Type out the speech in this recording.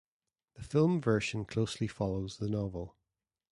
The film version closely follows the novel.